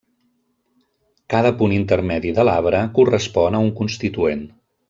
Cada punt intermedi de l'arbre correspon a un constituent.